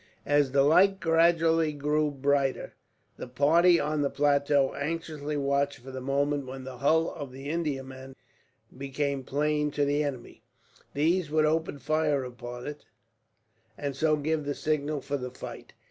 As the light gradually grew brighter, the party on the plateau anxiously watched for the moment when the hull of the Indiaman becoming plain to the enemy. These would open fire upon it, and so give the signal for the fight.